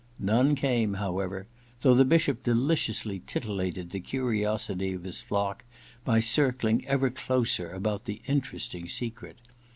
None came, however, though the Bishop deliciously titillated the curiosity of his flock by circling ever closer about the interesting secret.